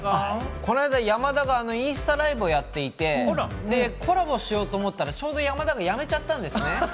この間、山田がインスタライブをやっていて、コラボしようと思ったら、ちょうど山田がやめちゃったんですね。